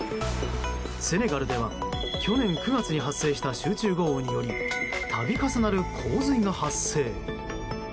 セネガルでは去年９月に発生した集中豪雨により度重なる洪水が発生。